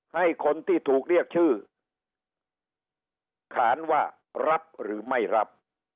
ให้คนที่ถูกเรียกชื่อขานว่ารับหรือไม่รับ